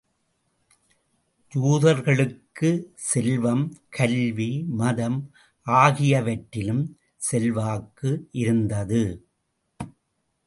யூதர்களுக்குச் செல்வம், கல்வி, மதம் ஆகியவற்றிலும் செல்வாக்கு இருந்தது.